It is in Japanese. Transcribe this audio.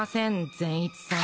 善逸さん。